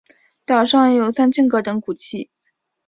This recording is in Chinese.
岛上有三清阁等古迹。